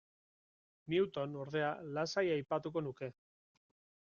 Newton, ordea, lasai aipatuko nuke.